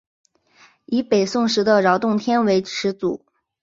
以北宋时的饶洞天为始祖。